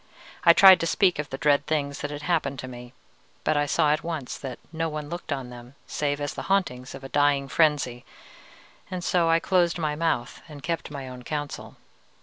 I tried to speak of the dread things that had happened to me, but I saw at once that no one looked on them save as the hauntings of a dying frenzy, and so I closed my mouth and kept my own counsel.